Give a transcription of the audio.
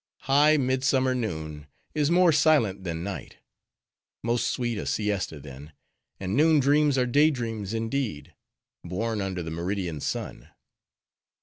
High midsummer noon is more silent than night. Most sweet a siesta then. And noon dreams are day dreams indeed; born under the meridian sun.